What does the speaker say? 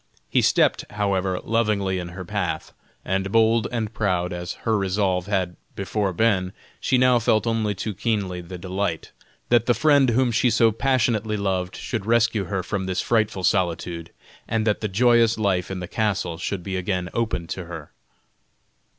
He stepped, however, lovingly in her path, and bold and proud as her resolve had before been, she now felt only too keenly the delight, that the friend whom she so passionately loved should rescue her from this frightful solitude, and that the joyous life in the castle should be again open to her.